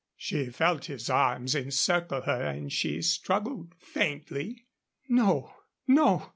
She felt his arms encircle her, and she struggled faintly. "No, no.